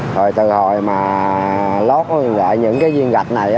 rồi từ hồi mà lót lại những cái viên gạch này